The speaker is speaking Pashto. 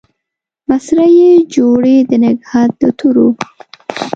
مسرۍ يې جوړې د نګهت د تورو